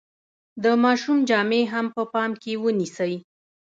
د ماشوم جامې هم په پام کې ونیسئ.